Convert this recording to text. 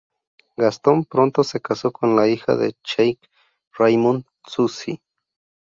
Gaston pronto se casó con la hija de Cheikh Raymond, Suzy.